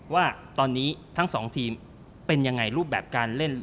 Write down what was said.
ว่าตอนนี้ทั้งสองทีมเป็นยังไงรูปแบบการเล่น